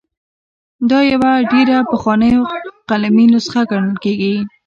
دا یوه ډېره پخوانۍ او قلمي نسخه ګڼل کیږي.